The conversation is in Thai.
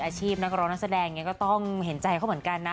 อาชีพนักร้องนักแสดงก็ต้องเห็นใจเขาเหมือนกันนะ